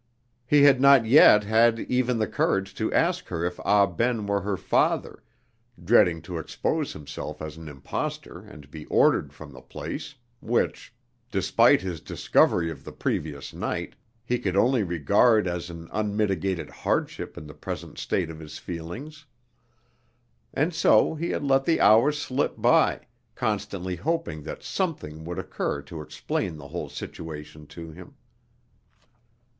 He had not yet had even the courage to ask her if Ah Ben were her father, dreading to expose himself as an impostor and be ordered from the place, which, despite his discovery of the previous night, he could only regard as an unmitigated hardship in the present state of his feelings; and so he had let the hours slip by, constantly hoping that something would occur to explain the whole situation to him.